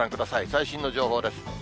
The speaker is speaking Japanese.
最新の情報です。